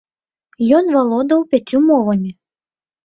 Ён валодаў пяццю мовамі.